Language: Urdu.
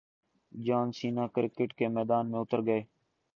جان سینا کرکٹ کے میدان میں اتر گئے